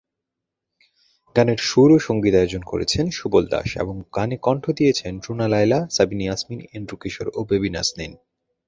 গানের সুর ও সঙ্গীতায়োজন করেছেন সুবল দাস এবং গানে কণ্ঠ দিয়েছেন রুনা লায়লা, সাবিনা ইয়াসমিন, এন্ড্রু কিশোর, ও বেবী নাজনীন।